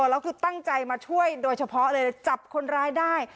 แล้วคือตั้งใจมาช่วยโดยเฉพาะเลยจับคนร้ายได้